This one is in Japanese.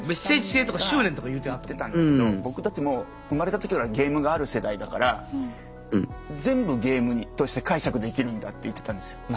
林さんが言ってたんだけど「僕たちもう生まれた時からゲームがある世代だから全部ゲームとして解釈できるんだ」って言ってたんですよ。